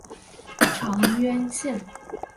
长渊线